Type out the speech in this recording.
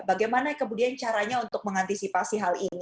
bagaimana kemudian caranya untuk mengantisipasi hal ini